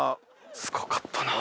すごかったな。